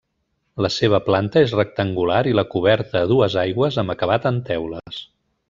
La seva planta és rectangular i la coberta a dues aigües amb acabat en teules.